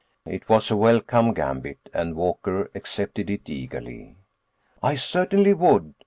It was a welcome gambit, and Walker accepted it eagerly. "I certainly would.